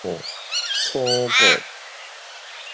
楚國